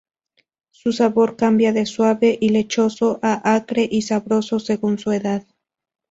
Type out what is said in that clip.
Su sabor cambia de suave y lechoso a acre y sabroso según su edad.